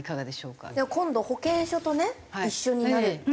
今度保険証とね一緒になるって。